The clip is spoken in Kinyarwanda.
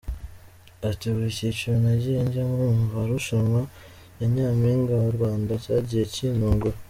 Ati " Buri cyiciro nagiye njyamo mu marushanwa ya Nyampinga w’u Rwanda cyagiye kintungura.